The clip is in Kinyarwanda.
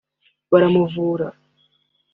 baramuvura